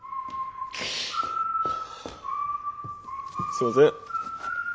すいません。